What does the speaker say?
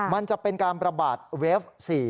มันจะเป็นการประบาดเวฟ๔